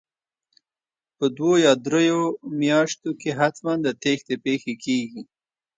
په دوو یا درو میاشتو کې حتمن د تېښتې پېښې کیږي